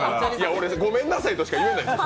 俺、ごめんなさいとしか言えないです。